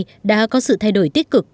đến nay đã có sự thay đổi tích cực